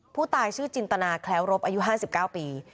ผู้ตายชื่อจินตนาแคล้วรบอายุ๕๙ปี